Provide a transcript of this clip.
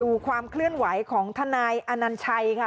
ดูความเคลื่อนไหวของทนายอนัญชัยค่ะ